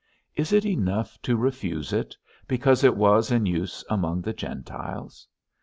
Is it enough to refuse it, because it was in use among the Gentiles?